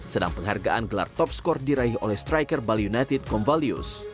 sedang penghargaan gelar top skor diraih oleh striker bali united convalius